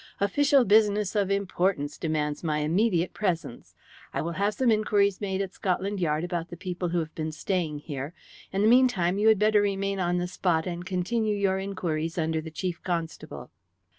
"Official business of importance demands my immediate presence. I will have some inquiries made at Scotland Yard about the people who have been staying here. In the meantime, you had better remain on the spot and continue your inquiries under the Chief Constable."